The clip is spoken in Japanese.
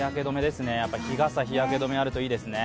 日傘、日焼け止めがあるといいですね。